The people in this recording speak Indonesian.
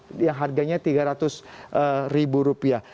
bagaimana kalau anda tidak punya uang juga tiga ratus ribu rupiah